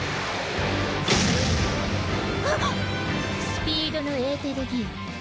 スピードのエーテルギア。